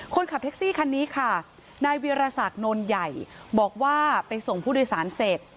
คนขับแท็กซี่คันนี้ค่ะนายเวียรษักโนนใหญ่บอกว่าไปส่งผู้โดยสารเสร็จ